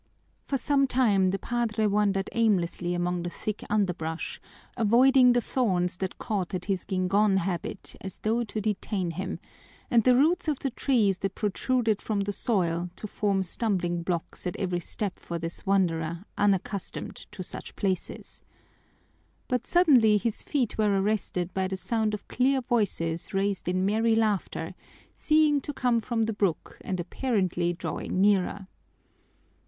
For some time the padre wandered aimlessly among the thick underbrush, avoiding the thorns that caught at his guingón habit as though to detain him, and the roots of the trees that protruded from the soil to form stumbling blocks at every step for this wanderer unaccustomed to such places. But suddenly his feet were arrested by the sound of clear voices raised in merry laughter, seeming to come from the brook and apparently drawing nearer.